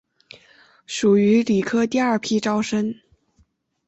属于理科第二批招生。